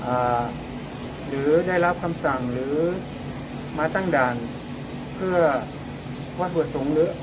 อ่าหรือได้รับคำสั่งหรือมาตั้งด่านเพื่อว่าหัวสูงเหลือ